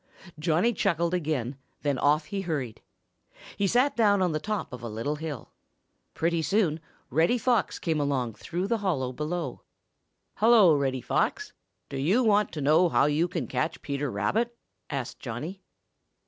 Johnny chuckled again, then off he hurried. He sat down on top of a little hill. Pretty soon Reddy Fox came along through the hollow below. "Hello, Reddy Fox! Do you want to know how you can catch Peter Rabbit?" asked Johnny.